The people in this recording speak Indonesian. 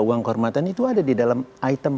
uang kehormatan itu ada di dalam item